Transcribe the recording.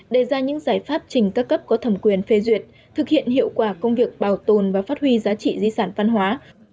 đề ra những giải pháp trình các cấp có thẩm quyền phê duyệt thực hiện hiệu quả công việc bảo tồn và phát huy giá trị di sản văn hóa